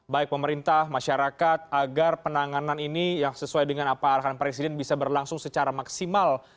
baik pemerintah masyarakat agar penanganan ini yang sesuai dengan apa arahan presiden bisa berlangsung secara maksimal